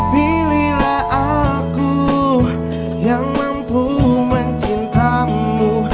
pilihlah aku yang mampu mencintaimu